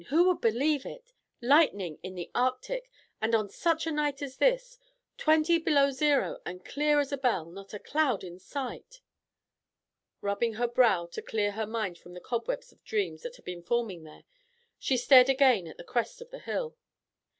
Who would believe it? Lightning in the Arctic, and on such a night as this. Twenty below zero and clear as a bell! Not a cloud in sight." Rubbing her brow to clear her mind from the cobweb of dreams that had been forming there, she stared again at the crest of the hill.